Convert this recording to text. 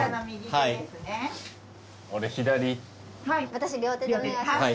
はい。